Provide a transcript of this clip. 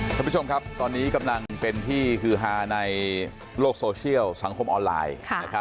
ท่านผู้ชมครับตอนนี้กำลังเป็นที่ฮือฮาในโลกโซเชียลสังคมออนไลน์